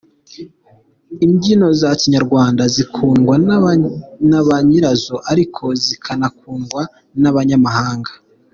Imbyino za kinyarwanda zikundwa na banyirazo ariko zikanakundwa n’abanyamahanga.